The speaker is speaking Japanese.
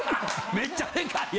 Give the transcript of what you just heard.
めっちゃデカい。